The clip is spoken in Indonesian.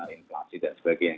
inflasi dan sebagainya